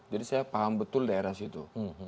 jadi saya paham betul daerah situ